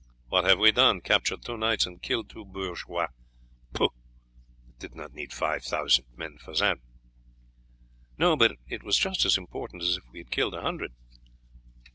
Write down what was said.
What have we done? Captured two knights and killed two bourgeois! Pooh, it did not need five thousand men for that." "No, but it was just as important as if we had killed a hundred."